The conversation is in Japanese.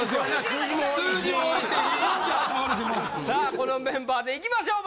さあこのメンバーで行きましょう！